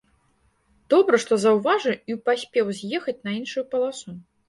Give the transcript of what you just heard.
Добра, што заўважыў і паспеў з'ехаць на іншую паласу.